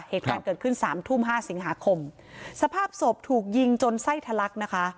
เหตุการณ์เกิดขึ้นสามทุ่มห้าสิงหาคมสภาพศพถูกยิงจนไส้ทะลักนะคะ